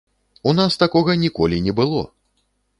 У нас такога ніколі не было!